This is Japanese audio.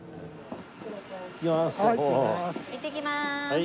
いってきます。